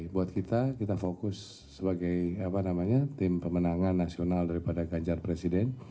buat kita kita fokus sebagai tim pemenangan nasional daripada ganjar presiden